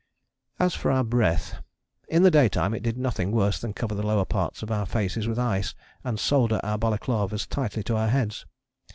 As for our breath in the daytime it did nothing worse than cover the lower parts of our faces with ice and solder our balaclavas tightly to our heads.